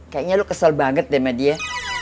kayaknya lu kesel banget deh sama dia